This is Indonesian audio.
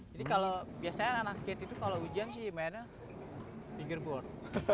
jadi kalau biasanya anak skate itu kalau hujan sih mainnya figureboard